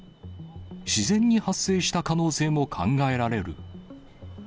自然に発生した可能性も考えられる。